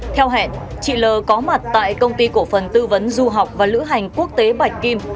theo hẹn chị l có mặt tại công ty cổ phần tư vấn du học và lữ hành quốc tế bạch kim